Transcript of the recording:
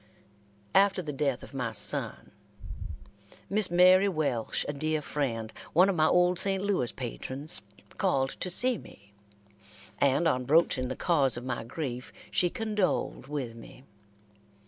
After the death of my son, Miss Mary Welsh, a dear friend, one of my old St. Louis patrons, called to see me, and on broaching the cause of my grief, she condoled with me.